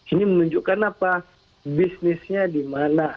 ini menunjukkan apa bisnisnya di mana